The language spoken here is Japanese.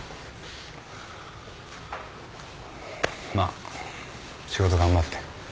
まっ仕事頑張って。